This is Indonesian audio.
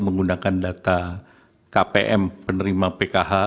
menggunakan data kpm penerima pkh